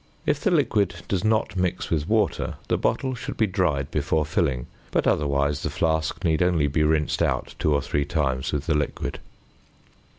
If the liquid does not mix with water, the bottle should be dried before filling, but otherwise the flask need only be rinsed out two or three times with the liquid.